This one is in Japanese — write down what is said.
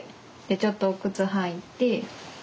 ちょっとお靴履いて。